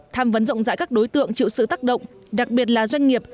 tham vấn rộng rãi các đối tượng chịu sự tác động đặc biệt là doanh nghiệp